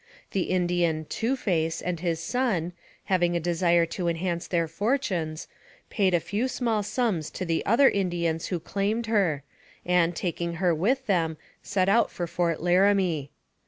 The Indian Two Face and his son, having a desire to enhance their fortunes, paid a few small sums to the other Indians who claimed her, and, taking her with them, set out for Fort Laramie.